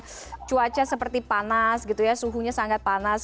karena cuaca seperti panas gitu ya suhunya sangat panas